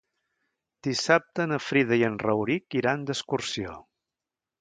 Dissabte na Frida i en Rauric iran d'excursió.